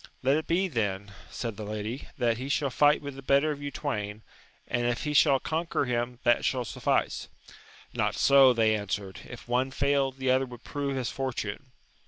Let it be, then, said the lady, that he shall fight with the better of you twain, and if he shall conquer him that shall suflBce. Not so, they answered ; if one failed, the other would prove his fortune.